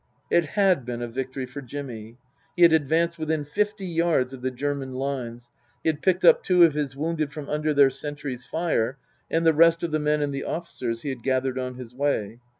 It had been a victory for Jimmy. He had advanced within fifty yards of the German lines, he had picked up two of his wounded from under their sentries' fire, and the rest of the men and the officers he had gathered on his way.